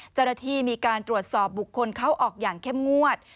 เจ้าหน้าที่มีการตรวจสอบบุคคลเข้าออกอย่างเข้มงวด